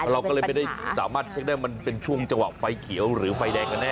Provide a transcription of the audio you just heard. เราก็เลยไม่ได้สามารถเช็คได้มันเป็นช่วงจังหวะไฟเขียวหรือไฟแดงกันแน่